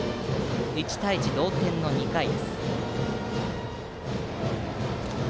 １対１、同点の２回です。